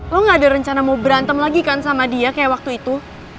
lo gak ada rencana mau berantem lagi kan sama dia kayak waktu itu